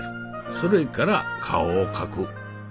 それから顔を描く。